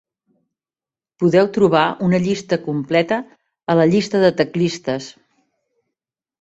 Podeu trobar una llista completa a la llista de teclistes.